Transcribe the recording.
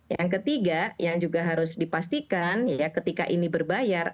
yang ketiga yang juga harus dipastikan ya ketika ini berbayar